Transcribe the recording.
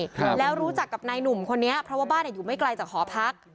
ครับแล้วรู้จักกับนายหนุ่มคนนี้เพราะว่าบ้านอ่ะอยู่ไม่ไกลจากหอพัก